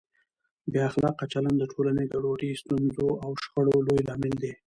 بې اخلاقه چلند د ټولنې ګډوډۍ، ستونزو او شخړو لوی لامل دی.